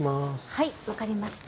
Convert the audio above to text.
はいわかりました。